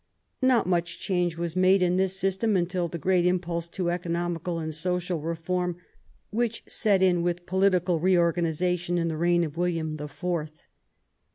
Not much change was made in this system until the great impulse to economical and social reform which set in with political reorganization in the reign of William the Fourth.